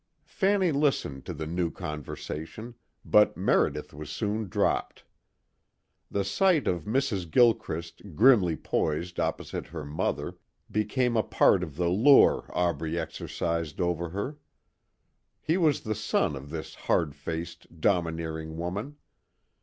Fanny listened to the new conversation, but Meredith was soon dropped. The sight of Mrs. Gilchrist grimly poised opposite her mother, became a part of the lure Aubrey exercised over her. He was the son of this hard faced, domineering woman.